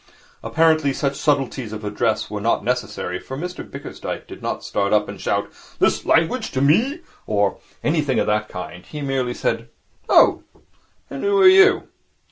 Apparently such subtleties of address were not necessary, for Mr Bickersdyke did not start up and shout, 'This language to me!' or anything of that kind. He merely said, 'Oh! And who are you?'